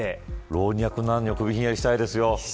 老若男女首ひんやりしたいですよ。